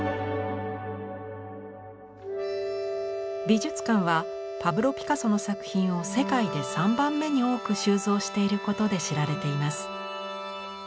美術館はパブロ・ピカソの作品を世界で３番目に多く収蔵していることで知られています。